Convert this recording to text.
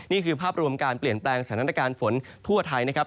นี่คือภาพรวมการเปลี่ยนแปลงสถานการณ์ฝนทั่วไทยนะครับ